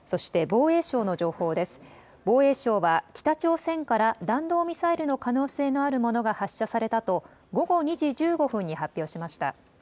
防衛省は北朝鮮から弾道ミサイルの可能性のあるものが発射されたと午後２時１５分に発表しました。